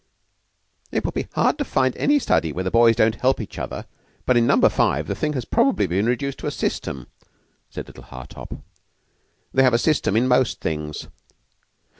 "It would be hard to find any study where the boys don't help each other; but in Number Five the thing has probably been reduced to a system," said little Hartopp. "They have a system in most things."